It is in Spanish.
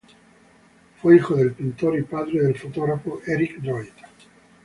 Fue hijo del pintor y padre del fotógrafo Éric Droit.